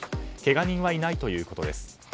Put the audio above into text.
けが人はいないということです。